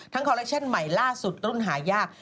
คอลเลคชั่นใหม่ล่าสุดรุ่นหายาก